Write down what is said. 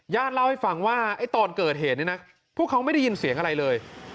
เล่าให้ฟังว่าตอนเกิดเหตุนี้นะพวกเขาไม่ได้ยินเสียงอะไรเลย